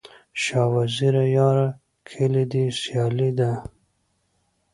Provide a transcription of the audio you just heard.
شاه وزیره یاره، کلي دي سیالي ده